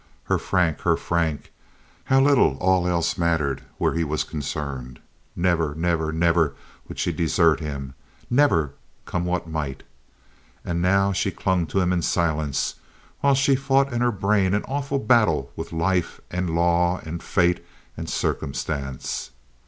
Her Frank—her Frank. How little all else mattered where he was concerned. Never, never, never would she desert him—never—come what might. And now she clung to him in silence while she fought in her brain an awful battle with life and law and fate and circumstance.